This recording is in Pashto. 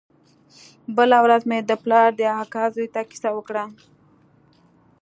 بله ورځ مې د پلار د اکا زوى ته کيسه وکړه.